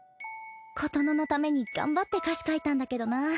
琴乃のためにがんばって歌詞書いたんだけどな。